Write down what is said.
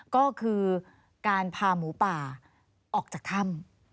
ก็คือการพาหมูป่าออกจากถ้ำ